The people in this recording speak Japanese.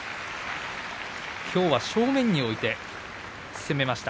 きょうは正面に置いて攻めました。